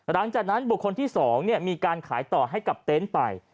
หลังจากนั้นบุคคลที่๒มีการขายต่อให้กับเต็นต์ไป